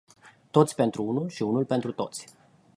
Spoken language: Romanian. Toți pentru unul și unul pentru toți.